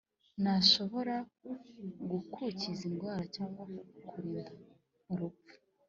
ntashobora kugukiza indwara cyangwa kukurinda urupfu